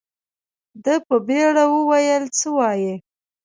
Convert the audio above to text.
ده په بيړه وويل څه وايې.